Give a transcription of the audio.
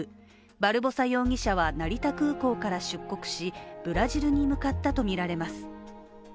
バルボサ容疑者は、成田空港から出国しブラジルに向かったとみられます。